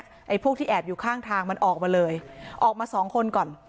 ไอ้พวกที่แอบอยู่ข้างทางมันออกมาเลยออกมาสองคนก่อน